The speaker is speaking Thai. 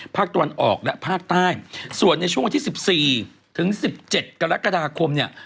ภาคตะวันออกและภาคใต้ส่วนในช่วงวันที่๑๔ถึง๑๗กรกฎาคมเนี่ย